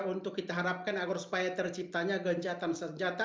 untuk kita harapkan agar supaya terciptanya gencatan senjata